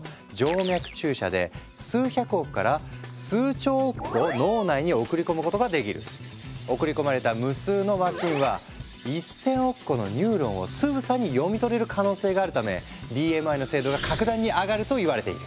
直径僅か２０ナノメートルの送り込まれた無数のマシンは１，０００億個のニューロンをつぶさに読み取れる可能性があるためＢＭＩの精度が格段に上がるといわれている。